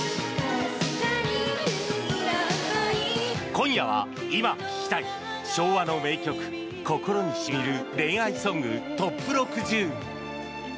今夜は「今聴きたい！昭和の名曲心にしみる恋愛ソングＴＯＰ６０！」。